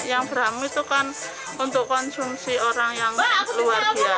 yang beramu itu kan untuk konsumsi orang yang keluarga